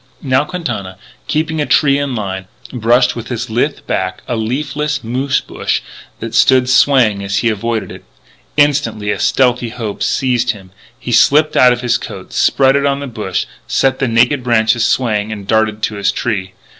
Now Quintana, keeping a tree in line, brushed with his lithe back a leafless moose bush that stood swaying as he avoided it. Instantly a stealthy hope seized him: he slipped out of his coat, spread it on the bush, set the naked branches swaying, and darted to his tree.